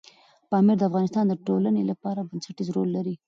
پامیر د افغانستان د ټولنې لپاره بنسټيز رول لري.